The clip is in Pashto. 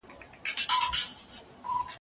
کرۍ ورځ به کړېدی د زوی له غمه